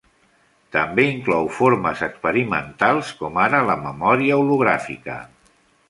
També inclou formes experimentals com ara la memòria hologràfica.